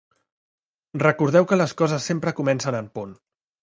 Recordeu que les coses sempre comencen en punt.